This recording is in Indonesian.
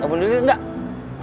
ga bunuh diri enggak